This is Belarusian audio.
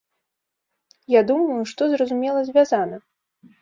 Я думаю, што, зразумела, звязана.